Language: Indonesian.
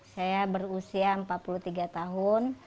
saya berusia empat puluh tiga tahun